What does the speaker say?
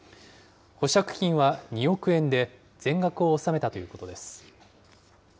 保釈金は２億円で、全額を納めたということです。